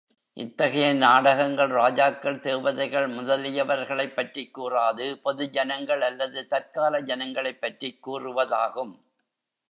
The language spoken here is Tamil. இத்தகைய நாடகங்கள், ராஜாக்கள் தேவதைகள் முதலியவர்களைப்பற்றிக் கூறாது, பொது ஜனங்கள் அல்லது தற்கால ஜனங்களைப் பற்றிக் கூறுவதாகும்.